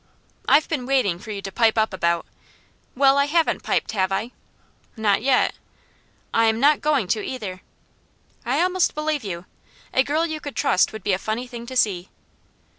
"I've been waiting for you to pipe up about " "Well, I haven't piped, have I?" "Not yet." "I am not going to either." "I almost believe you. A girl you could trust would be a funny thing to see."